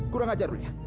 kurang ajar loya